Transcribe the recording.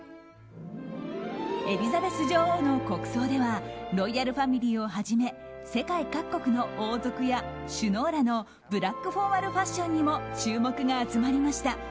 エリザベス女王の国葬ではロイヤルファミリーをはじめ世界各国の王族や首脳らのブラックフォーマルファッションにも注目が集まりました。